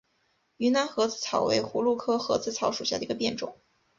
云南盒子草为葫芦科盒子草属下的一个变种。